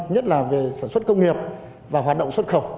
nhất là về sản xuất công nghiệp và hoạt động xuất khẩu